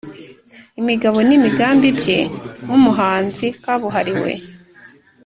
imigabo n'imigambi bye nk'umuhanzi kabuhariwe